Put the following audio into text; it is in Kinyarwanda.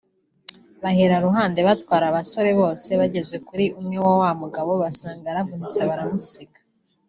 bahera ruhande batwara abasore bose bageze kuri umwe wa wa mugabo basanga yaravunitse baramusiga